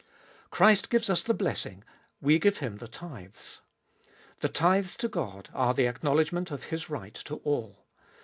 Christ gives us the blessing, we give Him the tithes. The tithes to God are the acknowledgment of His right to all.